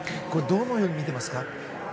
どのように見ていますか？